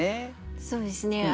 そうですね。